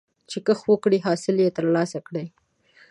چې کښت وکړې، حاصل به یې ترلاسه کړې.